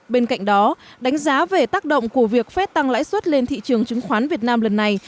bên cạnh đó đánh giá về tác động của việc fed tăng lãi suất lên thị trường chứng khoán việt nam lần này